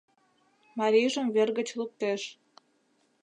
Марийжым вер гыч луктеш.